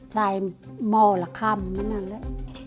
ใส่หมอละคำนั้นเลย